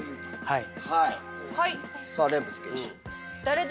はい！